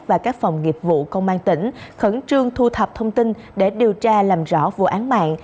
và các phòng nghiệp vụ công an tỉnh khẩn trương thu thập thông tin để điều tra làm rõ vụ án mạng